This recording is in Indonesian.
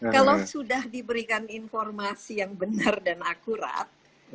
kalau sudah diberikan informasi yang benar dan akurat